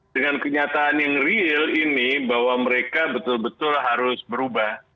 dengan kenyataan yang real ini bahwa mereka betul betul harus berubah